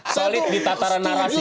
solid di tataran narasi